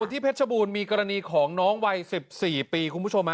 ที่เพชรบูรณ์มีกรณีของน้องวัย๑๔ปีคุณผู้ชม